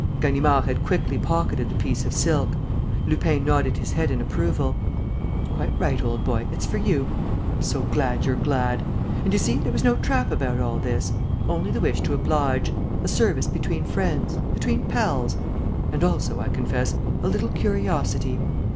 Ganimard had quickly pocketed the piece of silk. Lupin nodded his head in approval: "Quite right, old boy, it's for you. I'm so glad you're glad! And, you see, there was no trap about all this ... only the wish to oblige ... a service between friends, between pals.... And also, I confess, a little curiosity....